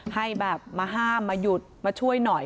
ให้แบบมาห้ามมาหยุดมาช่วยหน่อย